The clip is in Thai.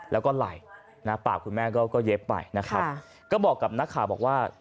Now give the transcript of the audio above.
แล้วก็ไหล่นะปากคุณแม่ก็เย็บไปนะครับก็บอกกับนักข่าวบอกว่า